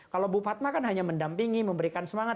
kalau ibu padma kan hanya mendampingi memberikan semangat